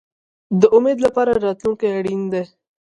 د امید لپاره راتلونکی اړین دی